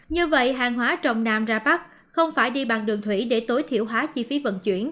như vậy hàng hóa trong nam ra bắc không phải đi bằng đường thủy để tối thiểu hóa chi phí vận chuyển